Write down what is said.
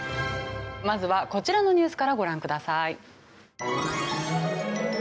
まずはこちらのニュースからご覧ください。